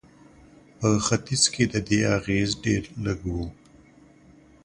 په ختیځ کې د دې اغېز ډېر لږ و.